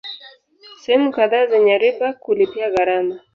Sehemu kadhaa zenya riba kulipia gharama